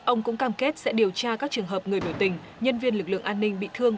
ông cũng cam kết sẽ điều tra các trường hợp người biểu tình nhân viên lực lượng an ninh bị thương